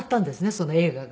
その映画が。